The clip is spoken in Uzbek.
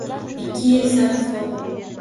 Ikki yil sarhisobi